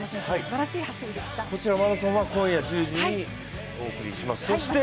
マラソンは今夜１０時にお送りします。